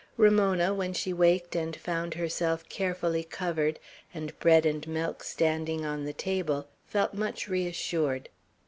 Ramona, when she waked and found herself carefully covered, and bread and milk standing on the table, felt much reassured.